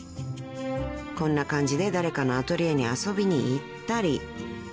［こんな感じで誰かのアトリエに遊びに行ったり］